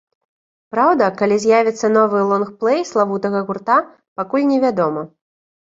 Праўда, калі з'явіцца новы лонгплэй славутага гурта, пакуль не вядома.